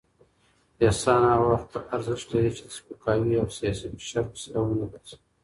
احسان هغه وخت ارزښت لري چې د سپکاوي او سياسي فشار وسیله ونه ګرځي.